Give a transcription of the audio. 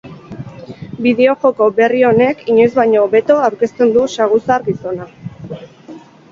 Bideo-joko berri honek inoiz baino hobeto aurkezten du saguzar gizona.